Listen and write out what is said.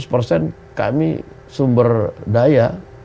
hampir seratus kami sumber daya itu masuk ke pilpres